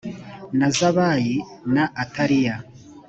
na zabayi na atilayi